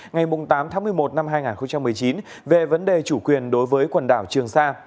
ngày tám tháng một mươi một năm hai nghìn một mươi chín về vấn đề chủ quyền đối với quần đảo trường sa